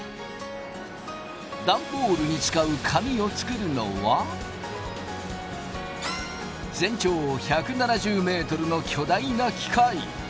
ダンボールに使う紙を作るのは全長１７０ｍの巨大な機械。